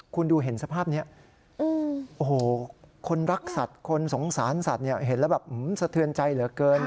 คุณดูเห็นสภาพนี้โอ้โหคนรักสัตว์คนสงสารสัตว์เห็นแล้วแบบสะเทือนใจเหลือเกิน